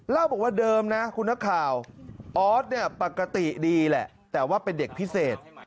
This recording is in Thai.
เล่าบอกว่าเดิมนะคุณนักข่าวออสเนี่ยปกติดีแหละแต่ว่าเป็นเด็กพิเศษ